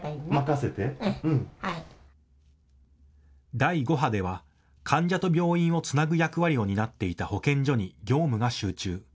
第５波では患者と病院をつなぐ役割を担っていた保健所に業務が集中。